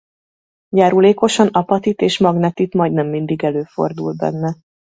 Járulékosan apatit és magnetit majdnem mindig előfordul benne.